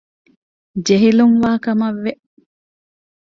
ޖެހިލުންވާ ކަމަކަށް ވެ